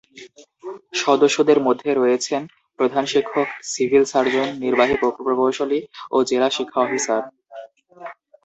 সদস্যদের মধ্যে রয়েছেন প্রধান শিক্ষক, সিভিল সার্জন, নির্বাহী প্রকৌশলী ও জেলা শিক্ষা অফিসার।